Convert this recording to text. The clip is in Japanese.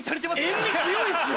塩味強いっすよ。